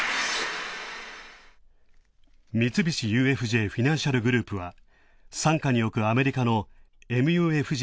三菱ＵＦＪフィナンシャル・グループは、傘下に置くアメリカのＭＵＦＧ